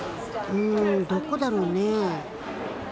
んどこだろうね？